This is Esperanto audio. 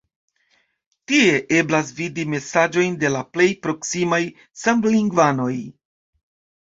Tie eblas vidi mesaĝojn de la plej proksimaj samlingvanoj.